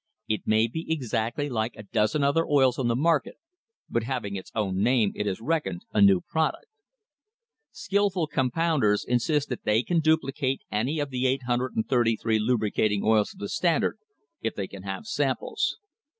It may be exactly like a dozen other oils on the market, but having its own name it is reckoned a new product. Skilful compounders insist that they can duplicate any of the 833 lubricating oils of the Standard if they can have samples.